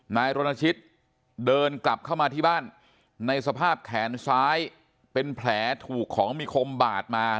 นายรณชิตเดินกลับเข้ามาที่บ้านในสภาพแขนซ้ายเป็นแผลถูกของมีคมบาดมา